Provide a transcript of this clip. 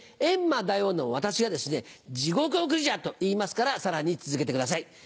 閻魔大王の私が「地獄送りじゃ」と言いますからさらに続けてください。